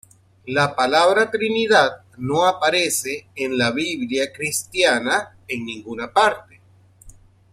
La palabra trinidad no aparece en la Biblia cristiana en ninguna parte.